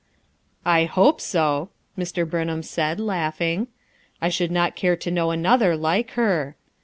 "I hope so!" Mr. Burnham said, laughing. "I should not care to know another like her.